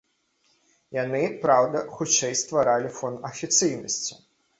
Яны, праўда, хутчэй стваралі фон афіцыйнасці.